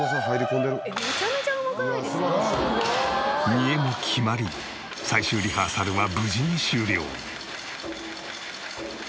見得も決まり最終リハーサルは無事に終了。